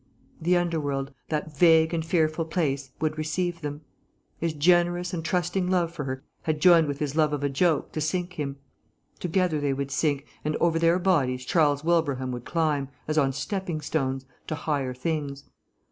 The underworld, that vague and fearful place, would receive them. His generous and trusting love for her had joined with his love of a joke to sink him. Together they would sink, and over their bodies Charles Wilbraham would climb, as on stepping stones, to higher things.